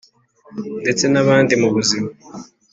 ndetse na handi mu buzima